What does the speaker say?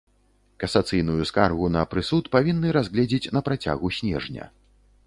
Касацыйную скаргу на прысуд павінны разгледзець на працягу снежня.